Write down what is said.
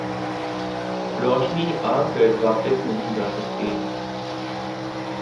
روشنی آکر واپس نہیں جاسکتی